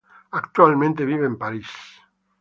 Actualmente vive en París.